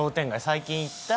最近行った？